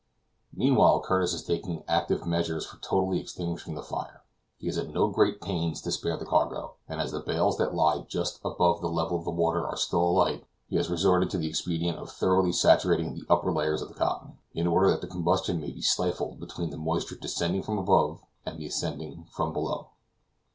Meantime Curtis is taking active measures for totally extinguishing the fire. He is at no great pains to spare the cargo, and as the bales that lie just above the level of the water are still a light he has resorted to the expedient of thoroughly saturating the upper layers of the cotton, in order that the combustion may be stifled between the moisture descending from above and that ascending from below.